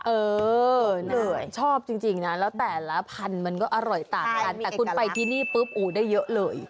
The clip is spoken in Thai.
เออชอบจริงนะแล้วแต่ละพันธุ์มันก็อร่อยต่างกันแต่คุณไปที่นี่ปุ๊บได้เยอะเลย